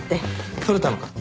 撮れたのか？